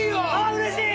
うれしい！